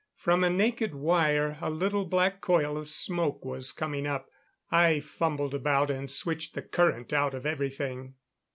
From a naked wire a little black coil of smoke was coming up. I fumbled about and switched the current out of everything.